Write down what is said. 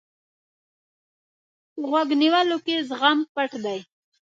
په غوږ نیولو کې زغم پټ دی.